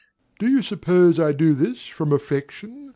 Do you suppose I do this from affection?